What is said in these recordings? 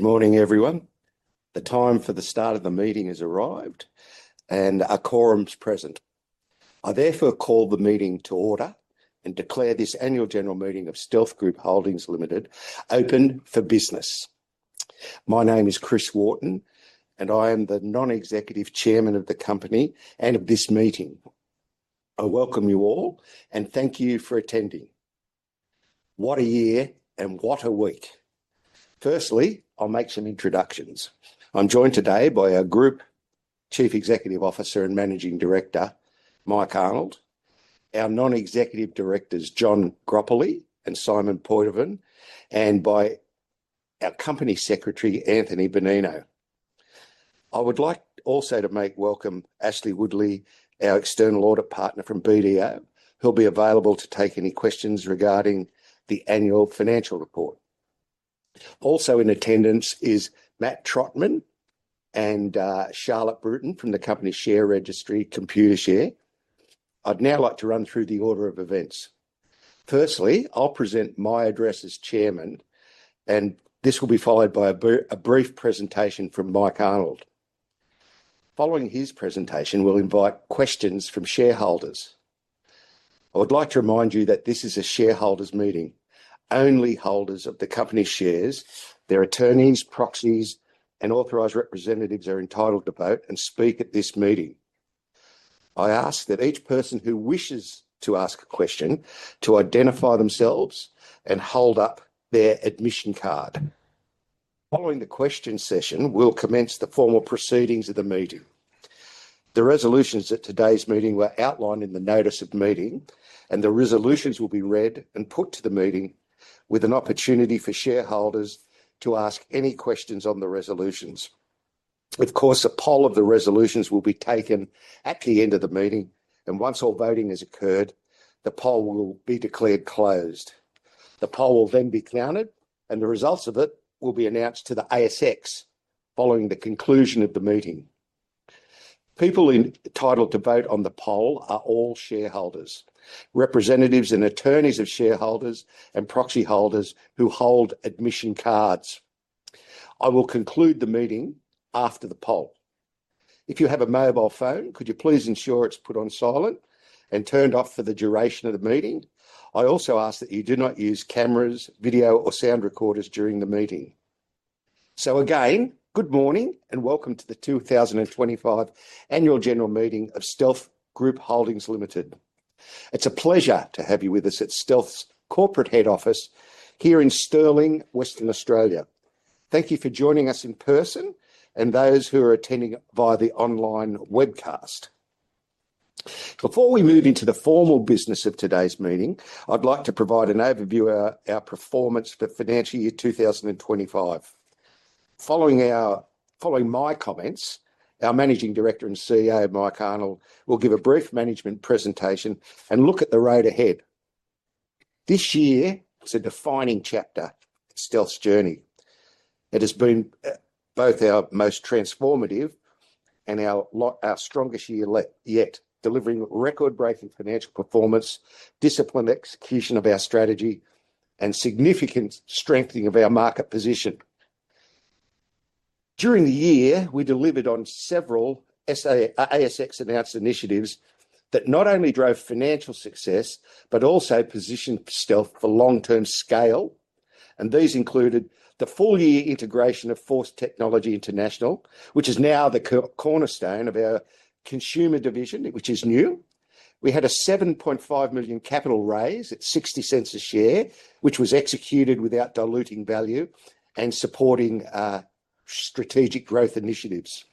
Good morning everyone. The time for the start of the meeting has arrived and our quorum is present. I therefore call the meeting to order and declare this annual general meeting of Stealth Group Holdings Limited open for business. My name is Chris Wharton and I am the Non-Executive Chairman of the company and of this meeting. I welcome you all and thank you for attending. What a year and what a week. Firstly, I'll make some introductions. I'm joined today by our Group Chief Executive Officer and Managing Director Mike Arnold, our Non-Executive Directors John Groppoli and Simon Poidevin, and by our Company Secretary Anthony Bonino. I would like also to make welcome Ashleigh Woodley, our external audit partner from BDO who'll be available to take any questions regarding the annual financial report. Also in attendance is Matt Trotman and Charlotte Bruton from the company Share Registry, Computershare. I'd now like to run through the order of events. Firstly, I'll present my address as Chairman and this will be followed by a brief presentation from Mike Arnold. Following his presentation, we'll invite questions from shareholders. I would like to remind you that this is a shareholders meeting. Only holders of the company shares, their attorneys, proxies and authorized representatives are entitled to vote and speak at this meeting. I ask that each person who wishes to ask a question to identify themselves and hold up their admission card. Following the question session, we will commence the formal proceedings of the meeting. The resolutions of today's meeting were outlined in the notice of meeting and the resolutions will be read and put to the meeting with an opportunity for shareholders to ask any questions on the resolutions. Of course, a poll of the resolutions will be taken at the end of the meeting and once all voting has occurred, the poll will be declared closed. The poll will then be counted and the results of it will be announced to the ASX following the conclusion of the meeting. People entitled to vote on the poll are all shareholders, representatives and attorneys of shareholders and proxy holders who hold admission cards. I will conclude the meeting after the poll. If you have a mobile phone, could you please ensure it's put on silent and turned off for the duration of the meeting. I also ask that you do not use cameras, video or sound recorders during the meeting. Good morning and welcome to the 2025 Annual General Meeting of Stealth Group Holdings Limited. It is a pleasure to have you with us at Stealth's corporate head office here in Stirling, Western Australia. Thank you for joining us in person and those who are attending via the online webcast. Before we move into the formal business of today's meeting, I would like to provide an overview of our performance for Financial Year 2025. Following my comments, our Managing Director and CEO Mike Arnold will give a brief management presentation and look at the road ahead. This year is a defining chapter in Stealth's journey. It has been both our most transformative and our strongest year yet, delivering record-breaking financial performance, disciplined execution of our strategy, and significant strengthening of our market position. During the year we delivered on several ASX announced initiatives that not only drove financial success but also positioned Stealth for long-term scale, and these included the full-year integration of Force Technology International, which is now the cornerstone of our consumer division, which is new. We had a 7.5 million capital raise at 0.60 a share, which was executed without diluting value and supporting strategic growth initiatives.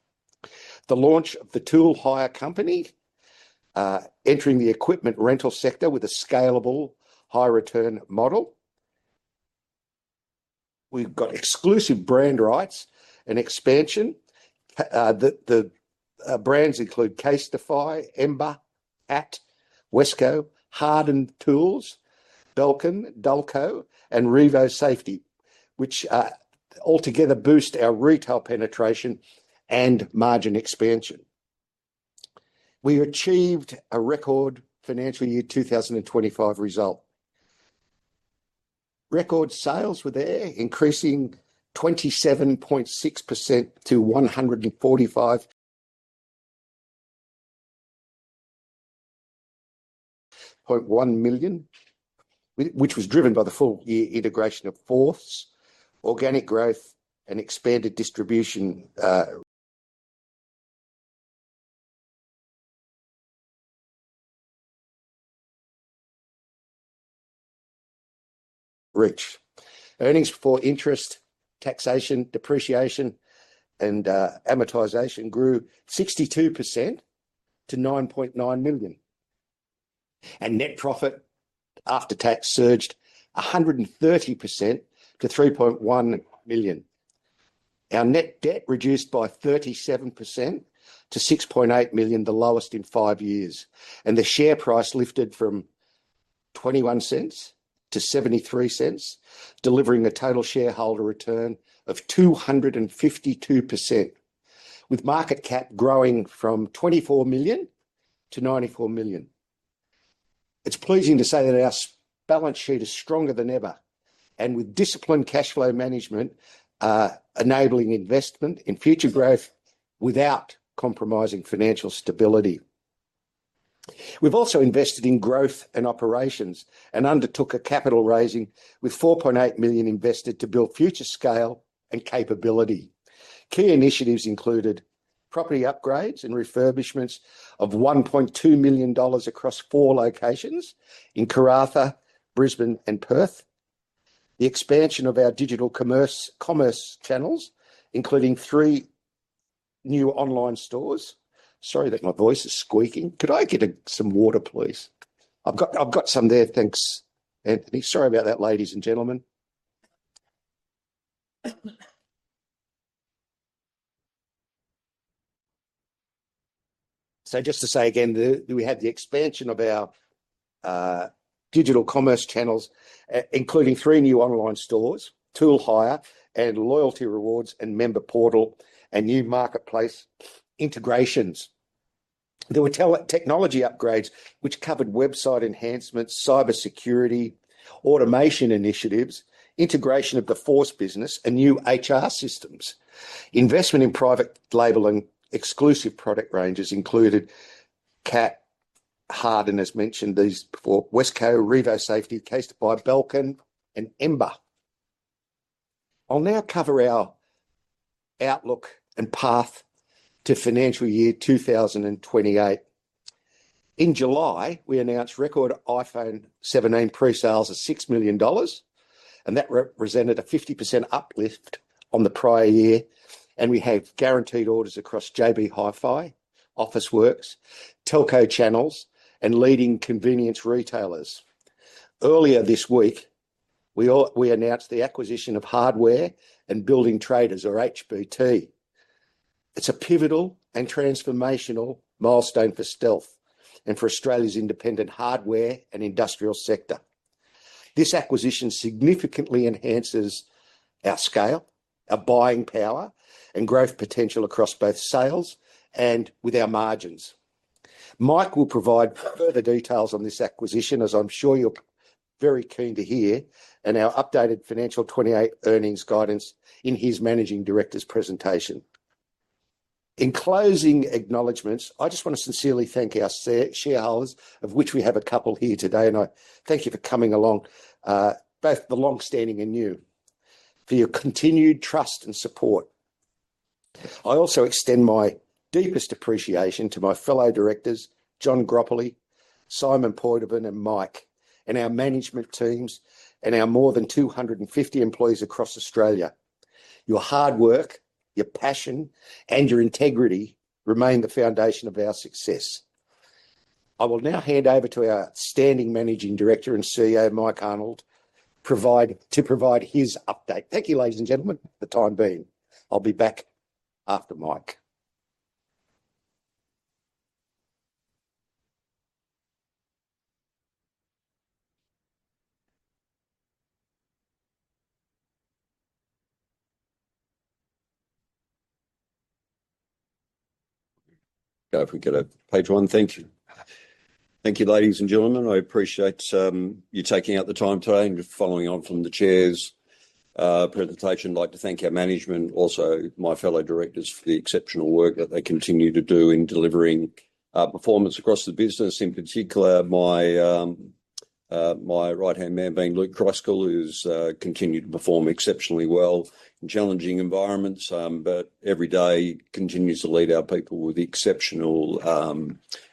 The launch of the Tool Hire Company, entering the equipment rental sector with a scalable, high-return model. We've got exclusive brand rights and expansion. The brands include Casetify, Ember, Act, Wesco, Hardened Tools, Belkin, Dalco, and Revo Safety, which altogether boost our retail penetration and margin expansion. We achieved a record Financial Year 2025 result. Record sales were there increasing 27.6% to 145.1 million, which was driven by the full year integration of Force, organic growth, and expanded distribution reach. Earnings before interest, taxation, depreciation, and amortization grew 62% to 9.9 million, and net profit after tax surged 130% to 3.1 million. Our net debt reduced by 37% to 6.8 million, the lowest in five years, and the share price lifted from 0.21 to 0.73, delivering a total shareholder return of 252%, with market cap growing from 24 million to 94 million. It's pleasing to say that our balance sheet is stronger than ever, and with disciplined cash flow management enabling investment in future growth without compromising financial stability. We've also invested in growth and operations and undertook a capital raising with 4.8 million invested to build future scale and capability. Key initiatives included property upgrades and refurbishments of 1.2 million dollars across four locations in Karratha, Brisbane and Perth. The expansion of our digital commerce channels including three new online stores. Sorry that my voice is squeaking. Could I get some water please? I've got some there. Thanks Anthony. Sorry about that ladies and gentlemen. Just to say again, we had the expansion of our digital commerce channels including three new online stores, Tool Hire and loyalty rewards and member portal and new marketplace integrations. There were technology upgrades which covered website enhancements, cybersecurity automation initiatives, integration of the Force business and new HR systems. Investment in private labeling and exclusive product ranges included CAT, Harden has mentioned these before, Wesco, Revo Safety, CASETiFY by Belkin and Ember. I'll now cover our outlook and path to Financial Year 2028. In July we announced record iPhone 17 pre-sales of 6 million dollars and that represented a 50% uplift on the prior year and we have guaranteed orders across JB Hi-Fi, Officeworks, Telco channels and leading convenience retailers. Earlier this week we announced the acquisition of Hardware and Building Traders or HBT. It's a pivotal and transformational milestone for Stealth and for Australia's independent hardware and industrial sector. This acquisition significantly enhances our scale, our buying power and growth potential across both sales and with our margins. Mike will provide further details on this acquisition as I'm sure you're very keen to hear, and our updated Financial 2028 earnings guidance in his Managing Director's presentation. In closing acknowledgments, I just want to sincerely thank our shareholders, of which we have a couple here today, and I thank you for coming along both the long standing and new for your continued trust and support. I also extend my deepest appreciation to my fellow directors John Groppoli, Simon Poidevin and Mike and our management teams and our more than 250 employees across Australia. Your hard work, your passion and your integrity remain the foundation of our success. I will now hand over to our outstanding Managing Director and CEO Mike Arnold to provide his update. Thank you ladies and gentlemen for the time being. I'll be back after Mike. If we get a page one. Thank you. Thank you, ladies and gentlemen. I appreciate you taking out the time today and following on from the Chair's presentation, I'd like to thank our management, also my fellow Directors for the exceptional work that they continue to do in delivering performance across the business. In particular, my right hand man being Luke Cruskall, who's continued to perform exceptionally well in challenging environments but every day continues to lead our people with exceptional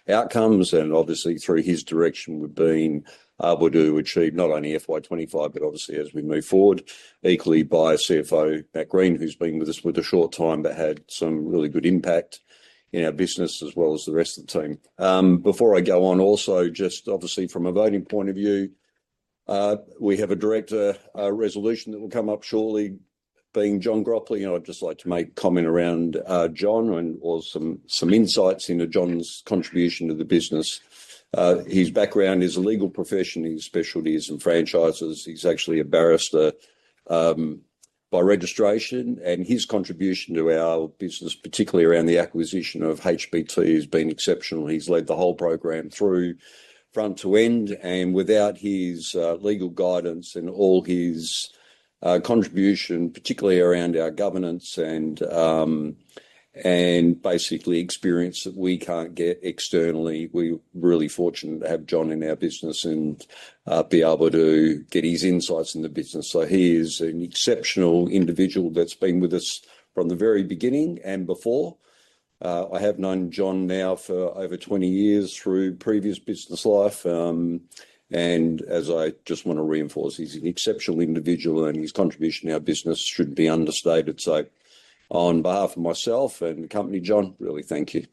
outcomes and obviously through his direction we've been able to achieve not only FY 2025 but obviously as we move forward, equally by CFO Matt Green who's been with us for the short time but had some really good impact in our business as well as the rest of the team. Before I go on, also just obviously from a voting point of view we have a Director resolution that will come up shortly. Being John Groppoli and I'd just like to make comment around John and also some insights into John's contribution to the business. His background is a legal profession, his specialties in franchise. He's actually a barrister by registration and his contribution to our business, particularly around the acquisition of HBT has been exceptional. He's led the whole program through front to end and without his legal guidance and all his contribution, particularly around our governance and basically experience that we can't get externally. We really fortunate to have John in our business and be able to get his insights in the business. So he is an exceptional individual that's been with us from the very beginning and before. I have known John now for over 20 years, through previous business life and as I just want to reinforce, he's an exceptional individual and his contribution to our business shouldn't be understated. On behalf of myself and the company, John, really thank you.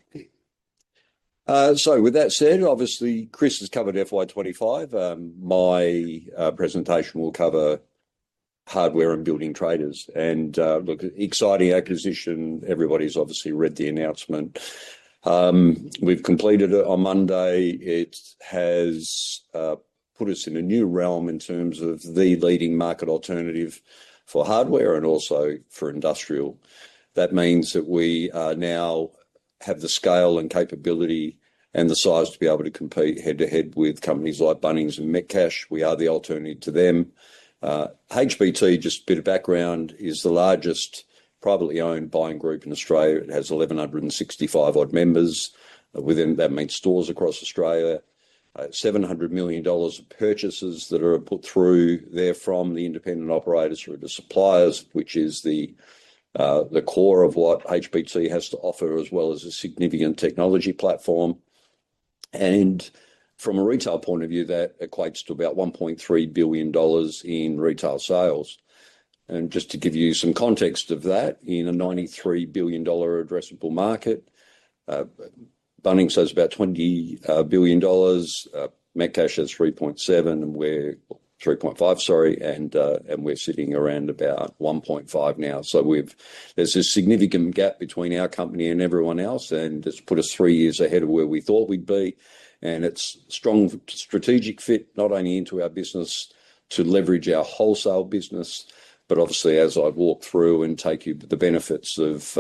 Obviously Chris has covered FY 2025. My presentation will cover Hardware and Building Traders and look, exciting acquisition. Everybody's obviously read the announcement. We've completed it on Monday. It has put us in a new realm in terms of the leading market alternative for hardware and also for industrial. That means that we now have the scale and capability and the size to be able to compete head to head with companies like Bunnings and Metcash. We are the alternative to them. HBT, just a bit of background, is the largest privately owned buying group in Australia. It has 1,165 odd members within that means stores across Australia. 700 million dollars of purchases that are put through there from the independent operators who are doing suppliers, which is the core of what HBT has to offer, as well as a significant technology platform. From a retail point of view that equates to about 1.3 billion dollars in retail sales. Just to give you some context of that, in a 93 billion dollar addressable market, Bunnings has about 20 billion dollars. Metcash has 3.7 billion and we are 3.5 billion. Sorry, and we are sitting around about 1.5 billion now. There is a significant gap between our company and everyone else and it has put us three years ahead of where we thought we would be. It is strong strategic fit not only into our business to leverage our wholesale business, but obviously as I walk through and take you through the benefits of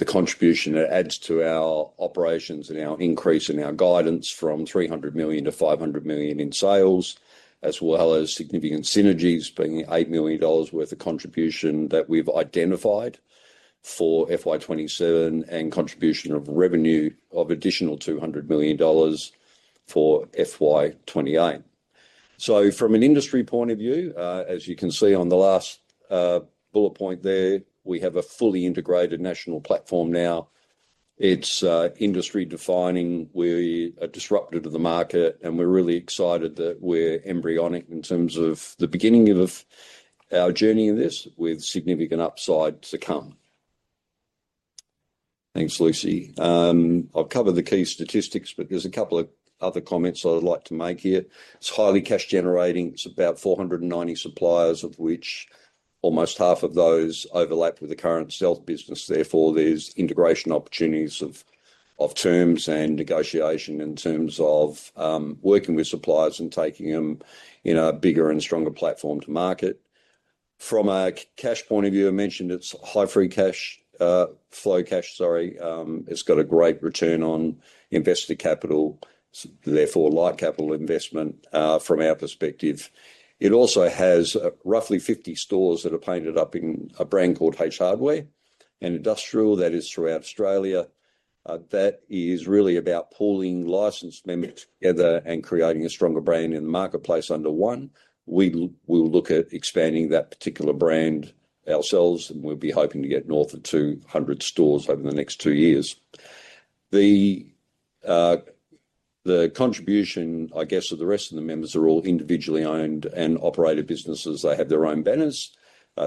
the contribution, it adds to our operations and our increase in our guidance from 300 million to 500 million in sales as well as significant synergies being 8 million dollars worth of contribution that we've identified for FY 2027 and contribution of revenue of additional 200 million dollars for FY 2028. From an industry point of view, as you can see on the last bullet point there, we have a fully integrated national platform. Now it is industry defining. We are disruptive to the market and we're really excited that we're embryonic in terms of the thinking of our journey in this with significant upside to come. Thanks, Lucy. I've covered the key statistics but there's a couple of other comments I would like to make here. It's highly cash generating. It's about 490 suppliers of which almost half of those overlap with the current Stealth business. Therefore there's integration opportunities of terms and negotiation in terms of working with suppliers and taking them in a bigger and stronger platform to market. From a cash point of view, I mentioned it's high free cash flow cash, sorry, it's got a great return on invested capital, therefore light capital investment from our perspective. It also has roughly 50 stores that are painted up in a brand called H Hardware and Industrial that is throughout Australia that is really about pooling licensed members together and creating a stronger brand in the marketplace under one, we will look at expanding that particular brand ourselves and we'll be hoping to get north of 200 stores over the next two years. The contribution, I guess, of the rest of the members are all individually owned and operated businesses. They have their own banners.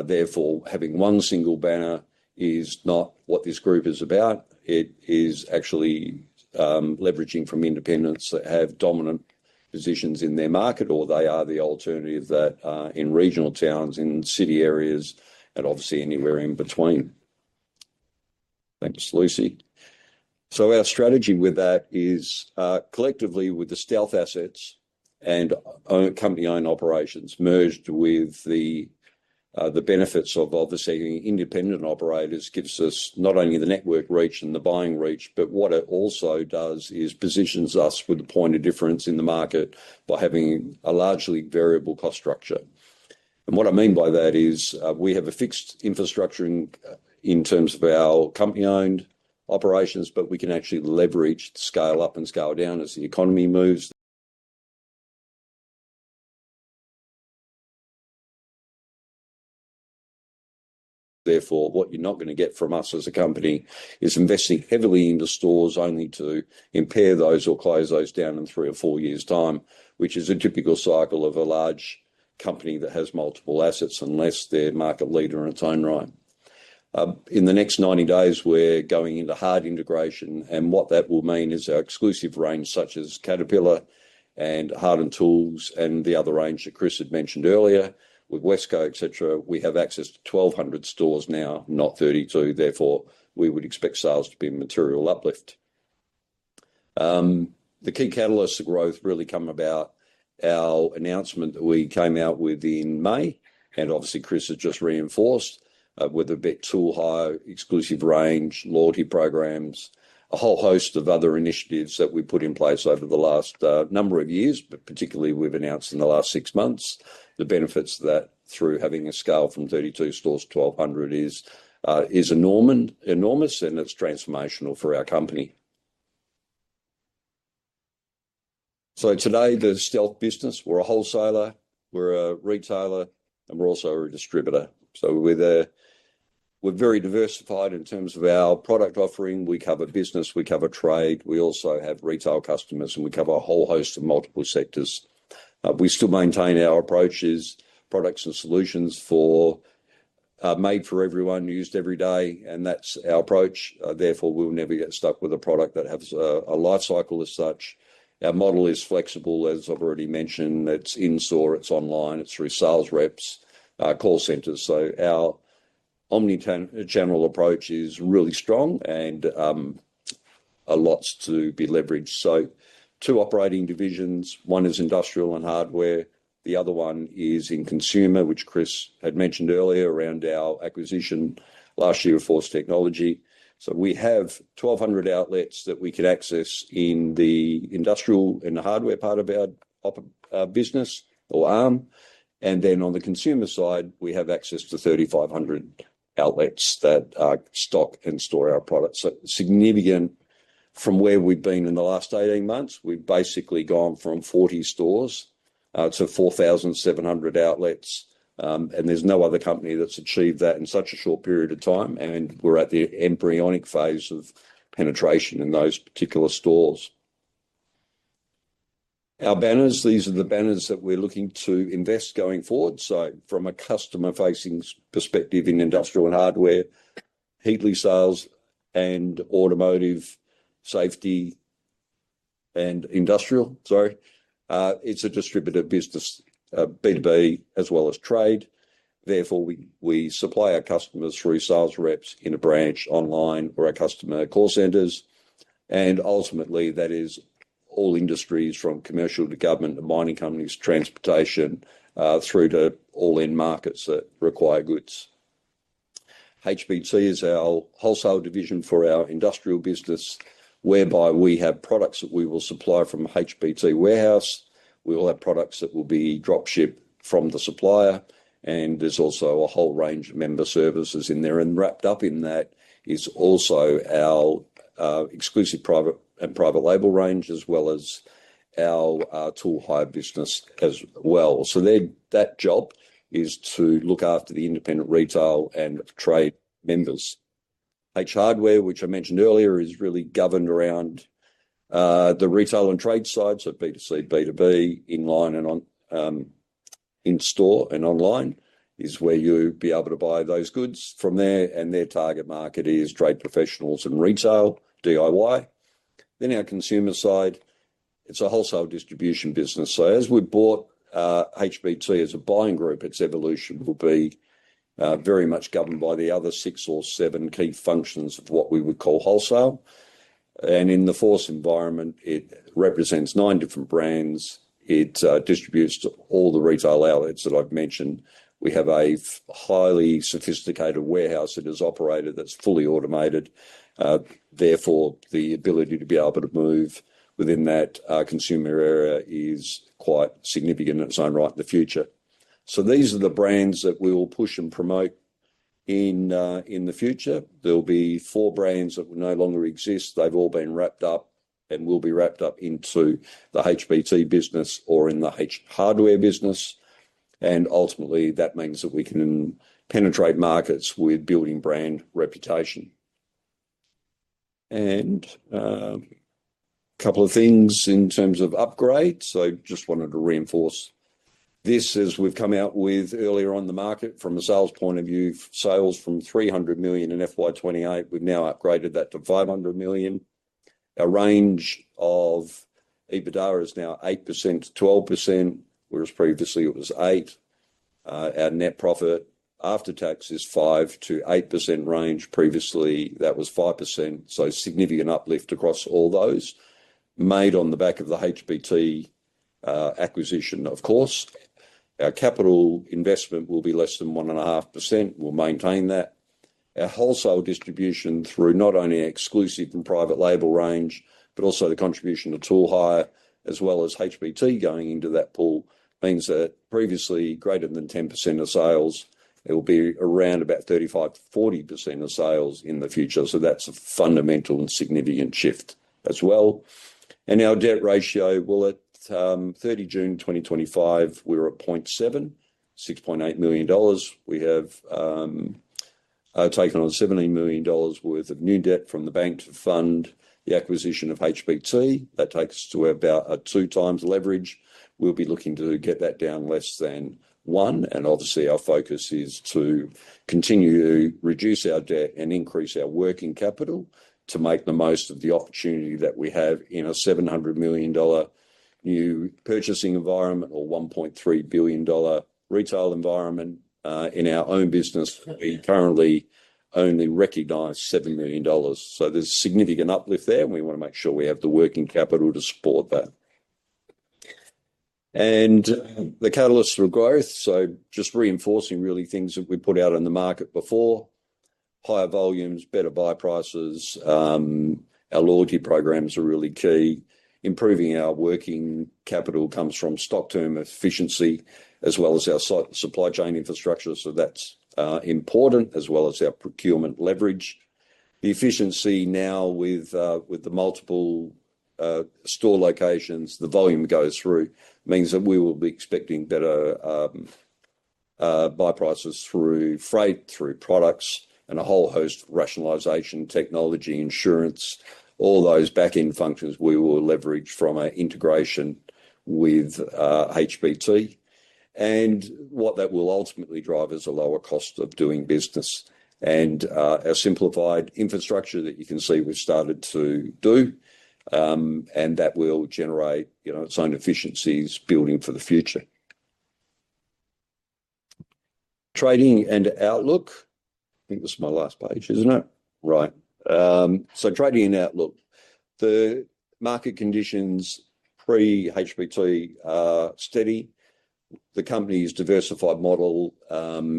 Therefore, having one single banner is not what this group is about. It is actually leveraging from independents that have dominant positions in their market, or they are the alternative in regional towns, in city areas, and obviously anywhere in between. Thanks, Lucy. Our strategy with that is collectively with the Stealth assets and company-owned operations merged with the benefits of all these, seeing independent operators gives us not only the network reach and the buying reach, but what it also does is positions us with the point of difference in the market by having a largely variable cost structure. What I mean by that is we have a fixed infrastructure in terms of our company owned operations, but we can actually leverage, scale up and scale down as the economy moves. Therefore, what you're not going to get from us as a company is investing heavily into stores only to impair those or close those down in three or four years' time, which is a typical cycle of a large company that has multiple assets unless they're market leader in its own right. In the next 90 days, we're going into hard integration, and what that will mean is our exclusive range such as Caterpillar and Hardened Tools, and the other range that Chris had mentioned earlier with Wesco, etc., we have access to 1,200 stores now, not 32. Therefore, we would expect sales to be a material uplift. The key catalysts of growth really come about our announcement that we came out with in May and obviously Chris has just reinforced with a bit tool hire, exclusive range, loyalty programs, a whole host of other initiatives that we put in place over the last number of years, but particularly we've announced in the last six months the benefits of that through having a scale from 32 stores, 1,200 is enormous, and it's transformational for our company. Today the Stealth business, we're a wholesaler, we're a retailer and we're also a distributor. We're very diversified in terms of our product offering. We cover business, we cover trade, we also have retail customers and we cover a whole host of multiple sectors. We still maintain our approaches, products and solutions for made for everyone used every day and that's our approach. Therefore we'll never get stuck with a product that has a lifecycle as such. Our model is flexible as I've already mentioned. It's in store, it's online, it's through sales reps, call centers. Our omnichannel general approach is really strong and a lot to be leveraged. Two operating divisions, one is industrial and hardware, the other one is in consumer which Chris had mentioned earlier around our acquisition last year of Force Technology. We have 1,200 outlets that we could access in the industrial and hardware part of our business or arm. On the consumer side we have access to 3,500 outlets that stock and store our products. Significant from where we've been in the last 18 months, we've basically gone from 40 stores to 4,700 outlets. There is no other company that's achieved that in such a short period of time. We're at the embryonic phase of penetration in those particular stores. Our banners, these are the banners that we're looking to invest in going forward. From a customer-facing perspective in industrial and hardware, Heatley Sales and Automotive Safety and Industrial, sorry, it's a distributed business, B2B as well as trade. Therefore, we supply our customers through sales reps in a branch, online, or our customer call centers. Ultimately, that is all industries from commercial to government to mining companies, transportation through to all end markets that require goods. HBT is our wholesale division for our industrial business whereby we have products that we will supply from HBT warehouse, we will have products that will be drop shipped from the supplier, and there's also a whole range of member services in there. Wrapped up in that is also our exclusive private and private label range as well as our tool hire business as well. That job is to look after the independent retail and trade members. H Hardware, which I mentioned earlier, is really governed around the retail and trade side. B2C, B2B, in line and in store and online is where you be able to buy those goods from there, and their target market is trade professionals and retail DIY. Our consumer side is a wholesale distribution business. As we bought HBT as a buying group, its evolution will be very much governed by the other six or seven key functions of what we would call wholesale. In the Force environment, it represents nine different brands. It distributes to all the retail outlets that I've mentioned. We have a highly sophisticated warehouse that is operated that's fully automated. Therefore the ability to be able to move within that consumer area is quite significant in its own right in the future. These are the brands that we will push and promote in the future. There will be four brands that will no longer exist. They've all been wrapped up and will be wrapped up into the HBT business or in the H Hardware business. Ultimately that means that we can penetrate markets with building brand reputation and a couple of things in terms of upgrades. I just wanted to reinforce this as we've come out with earlier on the market from a sales point of view. Sales from 300 million in FY 2028, we've now upgraded that to 500 million. Our range of EBITDA is now 8% to 12% whereas previously it was 8%. Our net profit after tax is in the 5% to 8% range. Previously that was 5%. Significant uplift across all those made on the back of the HBT acquisition, of course. Our capital investment will be less than 1.5%. We'll maintain that. Our wholesale distribution through not only exclusive and private label range, but also the contribution to Tool Hire as well as HBT going into that pool means that previously greater than 10% of sales, it will be around about 35% to 40% of sales in the future. That is a fundamental and significant shift as well. Our debt ratio, at 30 June 2025, we were at 0.7, 6.8 million dollars. We have taken on 17 million dollars worth of new debt from the bank to fund the acquisition of HBT. That takes us to about a two times leverage. We'll be looking to get that down less than one. Obviously our focus is to continue to reduce our debt and increase our working capital to make the most of the opportunity that we have in our 700 million dollar new purchasing environment or 1.3 billion dollar retail environment. In our own business we currently only recognize 7 million dollars. There is significant uplift there and we want to make sure we have the working capital to support that. The catalysts for growth, just reinforcing really things that we put out in the market before, higher volumes, better buy prices. Our loyalty programs are really key. Improving our working capital comes from stock term efficiency as well as our supply chain infrastructure, so that's important as well as our procurement leverage. The efficiency now with the multiple store locations the volume goes through means that we will be expecting better buy prices through freight, through products and a whole host rationalization, technology, insurance. All those back end functions, we will leverage from an integration with HBT. What that will ultimately drive is a lower cost of doing business and a simplified infrastructure that you can see we've started to do and that will generate, you know, its own efficiencies building for the future. Trading and Outlook, I think this is my last page, isn't it? Right. Trading and Outlook, the market conditions pre HBT are steady. The company's diversified model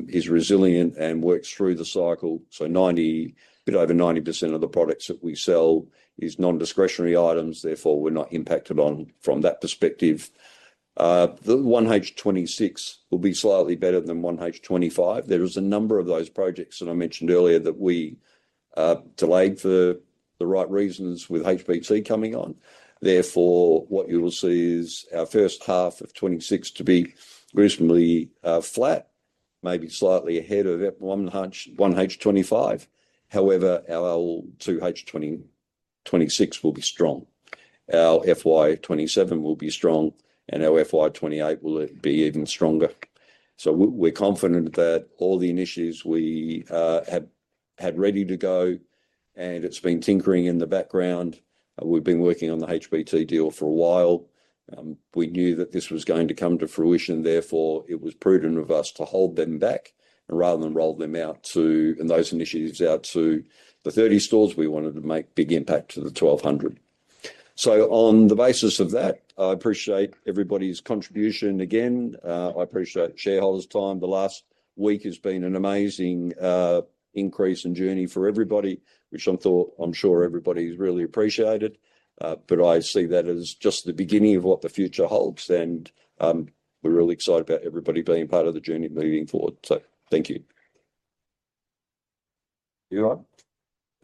is resilient and works through the cycle. 90, a bit over 90% of the products that we sell is non-discretionary items. Therefore we're not impacted on from that perspective. The 1H26 will be slightly better than 1H25. There is a number of those projects that I mentioned earlier that we delayed for the right reasons with HBT coming on. Therefore what you will see is our first half of 2026 to be reasonably flat, maybe slightly ahead of 1H25. However, our L2H 2026 will be strong. Our FY 2027 will be strong and our FY 2028 will be even stronger. We're confident that all the initiatives we have had ready to go and it has been tinkering in the background. We have been working on the HBT deal for a while. We knew that this was going to come to fruition. Therefore it was prudent of us to hold them back and rather than roll them out to and those initiatives out to the 30 stores, we wanted to make big impact to the 1,200. On the basis of that I appreciate everybody's contribution. Again, I appreciate shareholders' time. The last week has been an amazing increase and journey for everybody, which I thought, I'm sure everybody's really appreciated, but I see that as just the beginning of what the future holds, and we're really excited about everybody being part of the journey moving forward. Thank you. You're on.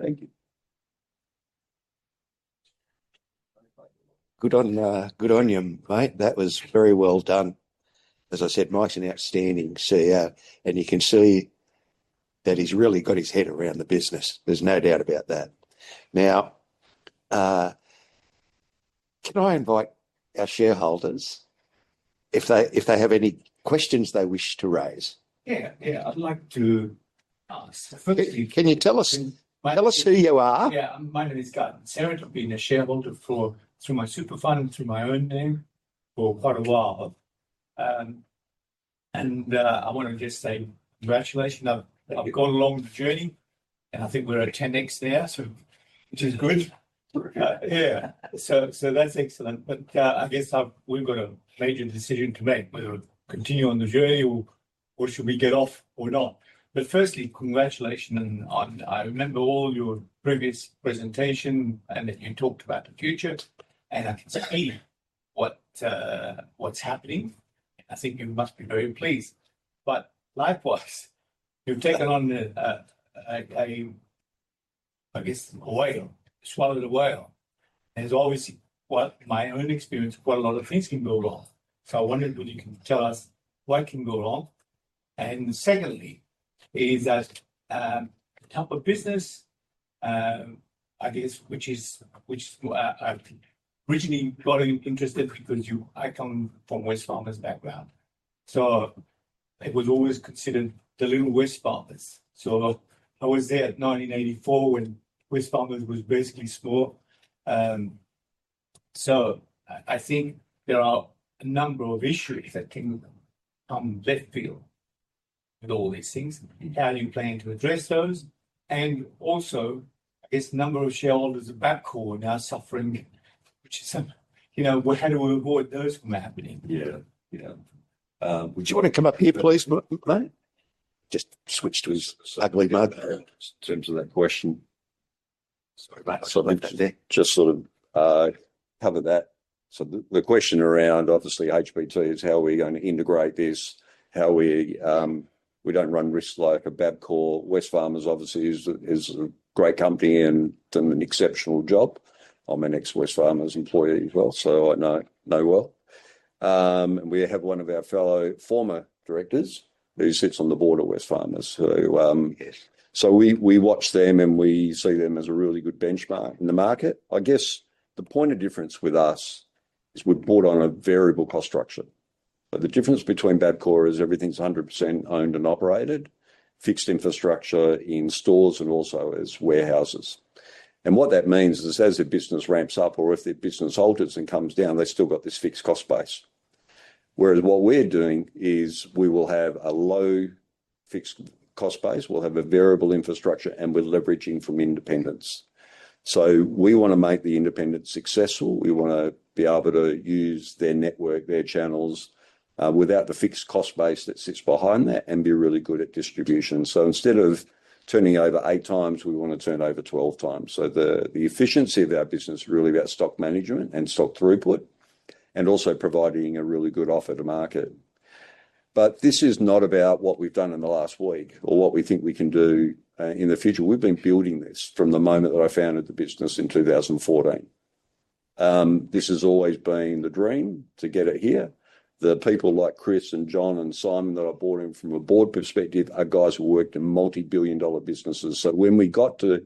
Thank you. Good on you, mate. That was very well done. As I said, Mike's an outstanding CEO and you can see that he's really got his head around the business. There's no doubt about that. Now can I invite our shareholders if they have any questions they wish to raise? Yeah, yeah, I'd like to ask. Can you tell us, tell us who you are? Yeah, my name is Garten Sarah. I've been a shareholder for, through my super fund, through my own name for quite a while. I want to just say congratulations. I've gone along the journey and I think we're a 10x there, so which is good. Yeah, so that's excellent. I guess we've got a major decision to make whether to continue on the journey or should we get off or not. Firstly, congratulations. I remember all your previous presentation and that you talked about the future and I can see what's happening. I think you must be very pleased. Likewise, you've taken on, I guess, or swallowed a whale. There's obviously, in my own experience, quite a lot of things can go wrong, so I wondered what you can tell us, what can go wrong. Secondly, is that type of business, I guess, which is which I originally got interested because you. I come from Wesfarmers background, so it was always considered the little Wesfarmers. I was there in 1984 when Wesfarmers was basically small. I think there are a number of issues that can come left field with all these things. How do you plan to address those? Also, it's a number of shareholders of Bapcor now suffering, which is, you know, how do we avoid those from happening? Yeah, you know. Would you want to come up here please, mate? Just switch to his ugly mug. In terms of that question. Just sort of COVID that. The question around obviously HBT is how we're going to integrate this, how we don't run risks like a Bapcor. Wesfarmers obviously is a great company and done an exceptional job. I'm an ex-Wesfarmers employee as well so I know well we have one of our fellow former directors who sits on the board of Wesfarmers. We watch them and we see them as a really good benchmark in the market. I guess the point of difference with us is we're bought on a variable cost structure. The difference between Bapcor is everything's 100% owned and operated. Fixed infrastructure in stores and also as warehouses. What that means is as a business ramps up or if their business alters and comes down, they still got this fixed cost base. Whereas what we're doing is we will have a low fixed cost base. We'll have a variable infrastructure and we're leveraging from independence. We want to make the independent successful. We want to be able to use their network, their channels without the fixed cost base that sits behind that and be really good at distribution. Instead of turning over eight times, we want to turn over 12 times. The efficiency of our business is really about stock management and stock throughput and also providing a really good offer to market. This is not about what we've done in the last week or what we think we can do in the future. We've been building this from the moment that I founded the business in 2014. This has always been the dream to get it here. The people like Chris and John and Simon that I brought in from a board perspective are guys who worked in multi-billion dollar businesses. When we got to,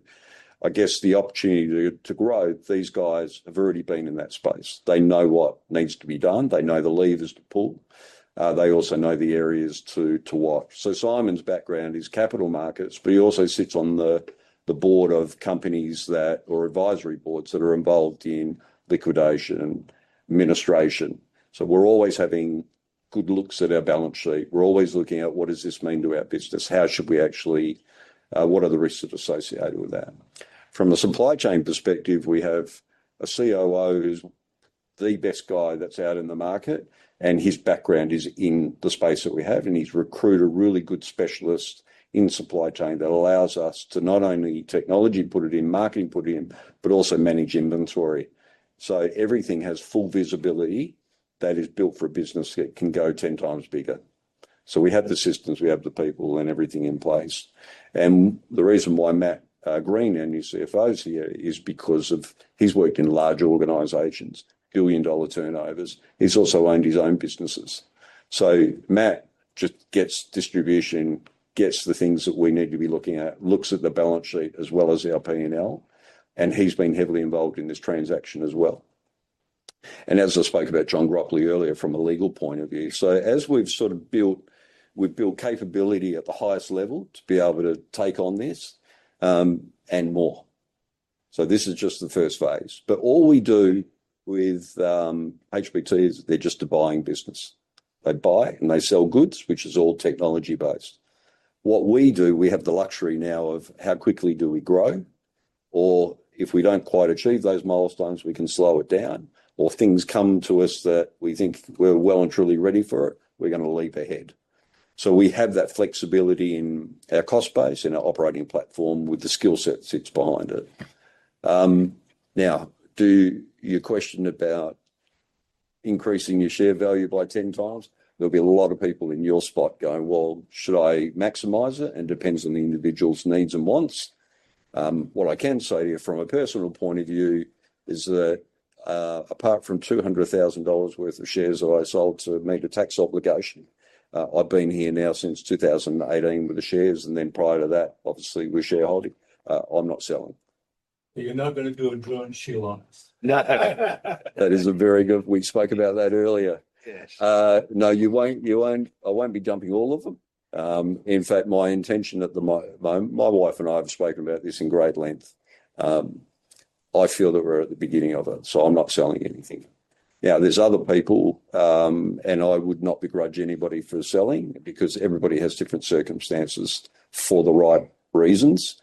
I guess, the opportunity to grow, these guys have already been in that space. They know what needs to be done, they know the levers to pull. They also know the areas to watch. Simon's background is capital markets, but he also sits on the board of companies or advisory boards that are involved in liquidation, administration. We are always having good looks at our balance sheet. We are always looking at what does this mean to our business, how should we actually, what are the risks that are associated with that? From a supply chain perspective, we have a COO who's the best guy that's out in the market, and his background is in the space that we have, and he's recruited a really good specialist in supply chain that allows us to not only technology put it in, marketing put in, but also manage inventory. Everything has full visibility that is built for a business that can go 10 times bigger. We have the systems, we have the people, and everything in place. The reason why Matt Green and new CFOs here is because he's worked in large organizations, billion dollar turnovers. He's also owned his own businesses. Matt just gets distribution, gets the things that we need to be looking at, looks at the balance sheet as well as our P&L. He's been heavily involved in this transaction as well. As I spoke about John Groppoli earlier, from a legal point of view. As we've sort of built, we've built capability at the highest level to be able to take on this and more. This is just the first phase. All we do with HBT is they're just a buying business. They buy and they sell goods, which is all technology based. What we do, we have the luxury now of how quickly do we grow or if we don't quite achieve those milestones, we can slow it down or things come to us that we think we're well and truly ready for it. We're going to leap ahead so we have that flexibility in our cost base and our operating platform with the skill set that sits behind it. Now, to your question about increasing your share value by 10 times. There'll be a lot of people in your spot going, "well, should I maximize it?" It depends on the individual's needs and wants. What I can say to you from a personal point of view is that apart from 200,000 dollars worth of shares that I sold to meet a tax obligation, I've been here now since 2018 with the shares, and then prior to that, obviously, we were shareholding. I'm not selling. You're not going to do a DroneShield on us. No. That is very good. We spoke about that earlier. Yes. No, you won't. You won't. I won't be dumping all of them. In fact, my intention at the moment. My wife and I have spoken about this in great length. I feel that we're at the beginning of it. I am not selling anything. Now, there are other people and I would not begrudge anybody for selling because everybody has different circumstances for the right reasons.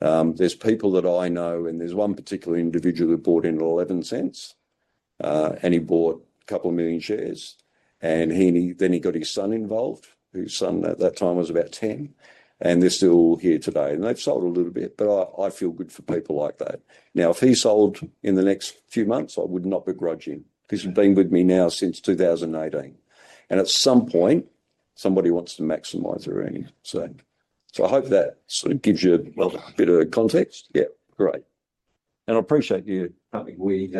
There are people that I know and there is one particular individual who bought in at 0.11 and he bought a couple of million shares and he got his son involved, whose son at that time was about 10, and they are still here today and they have sold a little bit. I feel good for people like that. If he sold in the next few months, I would not begrudge him. He's been with me now since 2018 and at some point somebody wants to maximize their earning. I hope that sort of gives you a bit of context. Yeah. Great, and I appreciate you coming. We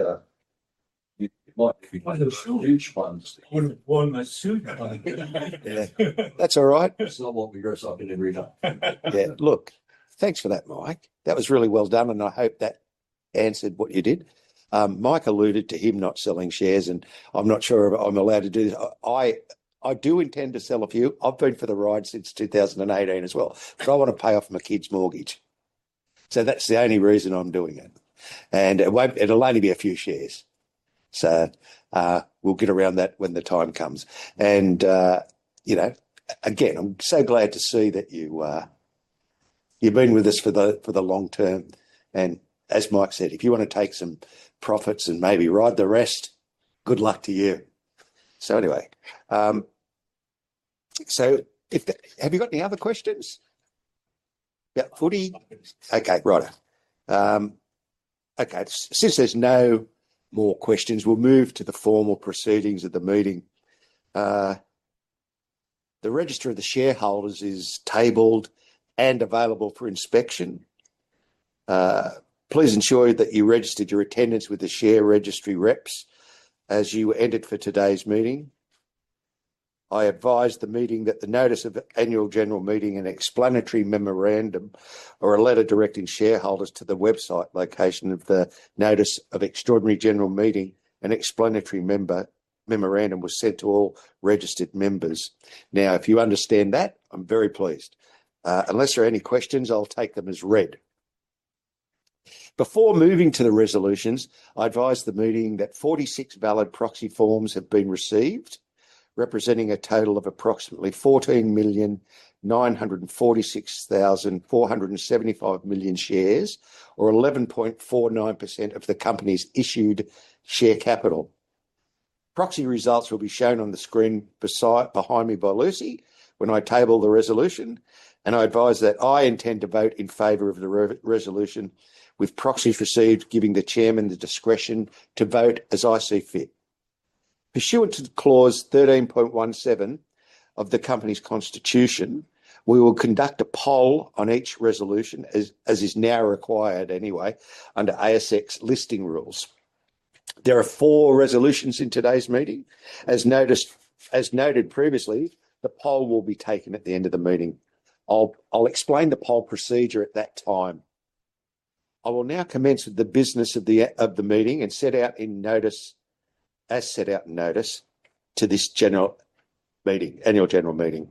might have huge funds. I would have worn my suit. That's all right. That's not why we dress up here every day. Yeah. Look, thanks for that, Mike. That was really well done and I hope that answered what you did. Mike alluded to him not selling shares and I'm not sure I'm allowed to do this. I do intend to sell a few. I've been for the ride since 2018 as well, so I want to pay off my kids' mortgage. That is the only reason I'm doing it. It'll only be a few shares, so we'll get around that when the time comes. You know, again, I'm so glad to see that you have been with us for the long term. As Mike said, if you want to take some profits and maybe ride the rest, good luck to you. If you have any other questions, yeah. Footy. Okay. Right.. Okay. Since there's no more questions, we'll move to the formal proceedings of the meeting. The register of the shareholders is tabled and available for inspection. Please ensure that you registered your attendance with the share registry reps as you entered for today's meeting. I advise the meeting that the notice of Annual General Meeting and explanatory memorandum or a letter directing shareholders to the website location of the notice of Extraordinary General Meeting and explanatory memorandum was sent to all registered members. Now if you understand that, I'm very pleased. Unless there are any questions, I'll take them as read. Before moving to the resolutions, I advise the meeting that 46 valid proxy forms have been received representing a total of approximately 14,946,475 shares or 11.49% of the company's issued share capital. Proxy results will be shown on the screen behind me by Lucy when I table the resolution. I advise that I intend to vote in favor of the resolution with proxies received giving the Chairman the discretion to vote as I see fit. Pursuant to clause 13.17 of the company's constitution, we will conduct a poll on each resolution as is now required under ASX Listing Rules. There are four resolutions in today's meeting as noted previously. The poll will be taken at the end of the meeting. I'll explain the poll procedure at that time. I will now commence the business of the meeting and set out in notice as set out in notice to this Annual General Meeting.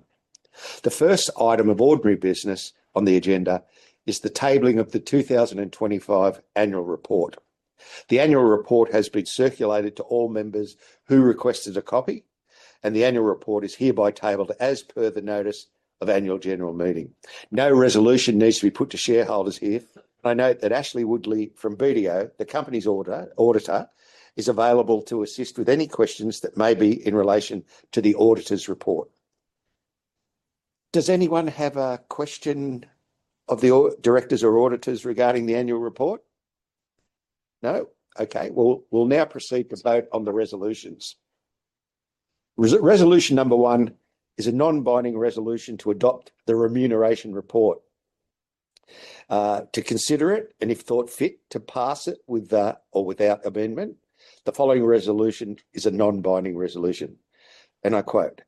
The first item of ordinary business on the agenda is the tabling of the 2025 Annual Report. The annual report has been circulated to all members who requested a copy and the annual report is hereby tabled as per the notice of Annual General Meeting. No resolution needs to be put to shareholders here. I note that Ashleigh Woodley from BDO, the company's auditor, is available to assist with any questions that may be in relation to the auditor's report. Does anyone have a question of the directors or auditors regarding the annual report? No. Okay. We'll now proceed to vote on the resolutions. Resolution number one is a non-binding resolution to adopt the Remuneration Report. To consider it and if thought fit to pass it with or without amendment, the following resolution is a non-binding resolution and I quote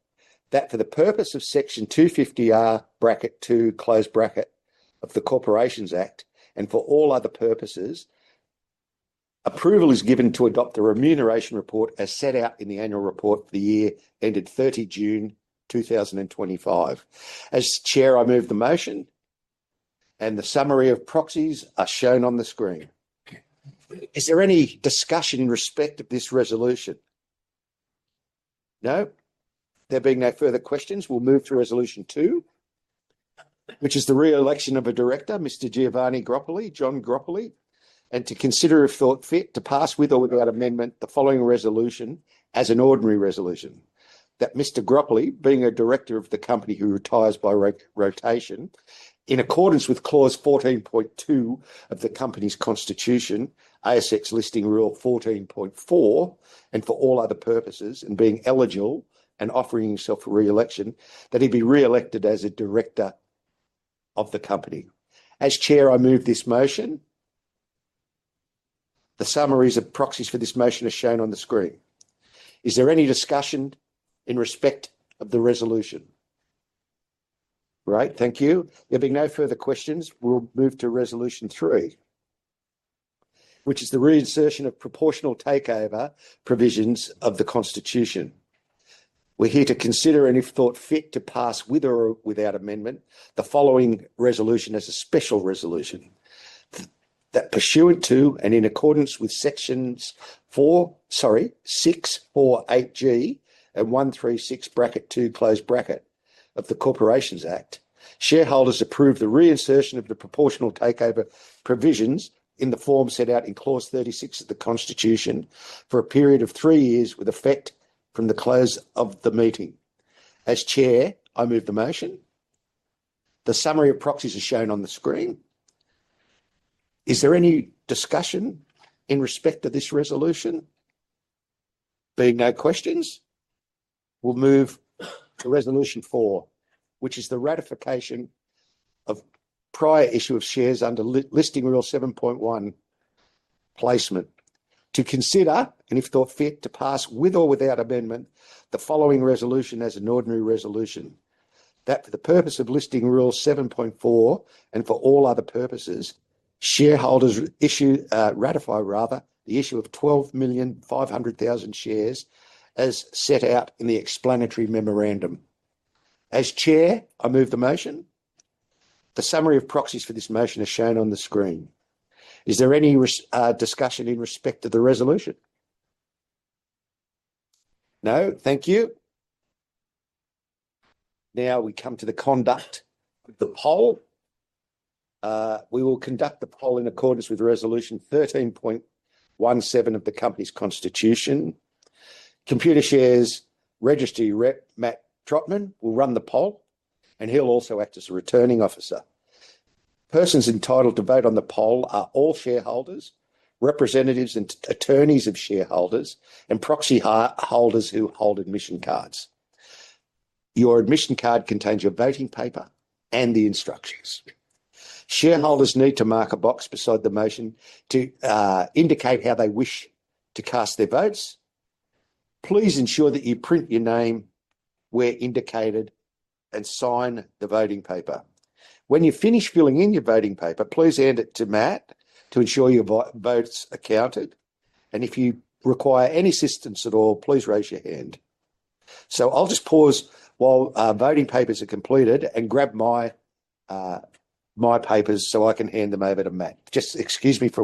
that for the purpose of section 250R(2) of the Corporations Act and for all other purposes, approval is given to adopt the Remuneration Report as set out in the annual report for the year ended 30 June, 2025. As Chair I moved the motion and the summary of proxies are shown on the screen. Is there any discussion in respect of this resolution? No. There being no further questions, we'll move to resolution two, which is the re-election of a director, Mr. John Groppoli. And to consider, if thought fit to pass with or without amendment, the following resolution as an ordinary resolution that Mr. Groppoli being a director of the Company who retires by rotation in accordance with clause 14.2 of the company's constitution, ASX Listing Rule 14.4, and for all other purposes and being eligible and offering himself for re-election, that he'd be re-elected as a director of the company. As Chair, I move this motion. The summaries of proxies for this motion are shown on the screen. Is there any discussion in respect of the resolution? Right. Thank you. There being no further questions, we'll move to resolution 3, which is the reinsertion of proportional takeover provisions of the Constitution. We're here to consider and if thought fit to pass with or without amendment the following resolution as a special resolution that pursuant to and in accordance with sections 648G and 136(2) of the Corporations Act, shareholders approve the reinsertion of the proportional takeover provisions in the form set out in clause 36 of the constitution for a period of three years with effect from the close of the meeting. As Chair, I move the motion. The summary of proxies is shown on the screen. Is there any discussion in respect to this resolution? Being no questions, we will move to resolution four, which is the ratification of prior issue of shares under Listing Rule 7.1 Placement to consider and, if thought fit, to pass with or without amendment, the following resolution as an ordinary resolution: that for the purpose of Listing Rule 7.4 and for all other purposes, shareholders ratify the issue of 12,500,000 shares as set out in the explanatory memorandum. As Chair, I move the motion. The summary of proxies for this motion is shown on the screen. Is there any discussion in respect to the resolution? No. Thank you. Now we come to the conduct of the poll. We will conduct the poll in accordance with Resolution 13.17 of the company's constitution. Computershare's registry representative Matt Trotman will run the poll and he'll also act as returning officer. Persons entitled to vote on the poll are all shareholders, representatives and attorneys of shareholders and proxy holders who hold admission cards. Your admission card contains your voting paper and the instructions. Shareholders need to mark a box beside the motion to indicate how they wish to cast their votes. Please ensure that you print your name where indicated and sign the voting paper. When you finish filling in your voting paper, please hand it to Matt to ensure your votes are counted. If you require any assistance at all, please raise your hand. I'll just pause while voting papers are completed and grab my papers so I can hand them over to Matt. Excuse me for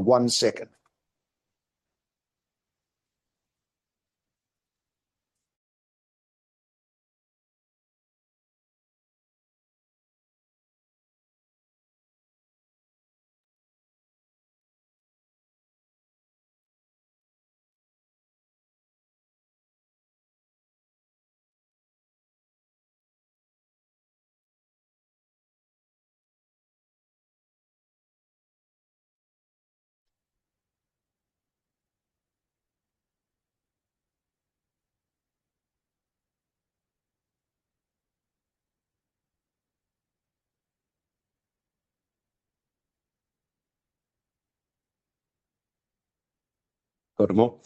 a moment.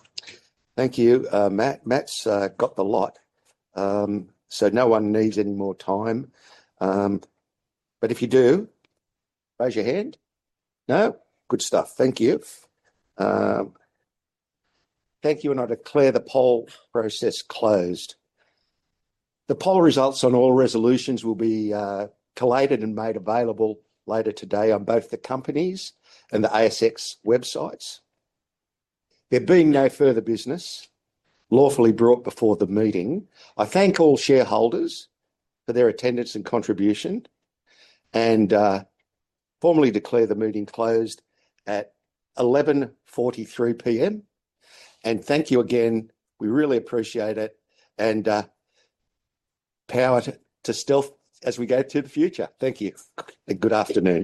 Thank you, Matt. Matt's gotten a lot, so no one needs any more time. If you do, raise your hand. No. Good stuff. Thank you. Thank you. I declare the poll process closed. The poll results on all resolutions will be collated and made available later today on both the company's and the ASX websites. There being no further business lawfully brought before the meeting, I thank all shareholders for their attendance and contribution and formally declare the meeting closed at 11:43 P.M. Thank you again. We really appreciate it and power to Stealth as we go to the future. Thank you. Good afternoon.